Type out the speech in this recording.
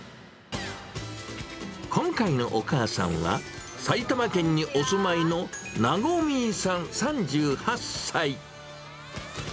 今回のお母さんは、埼玉県にお住いのなごみーさん３８歳。